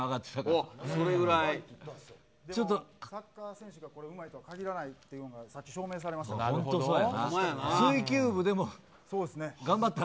でもサッカー選手がうまいとは限らないというのはさっき証明されましたから。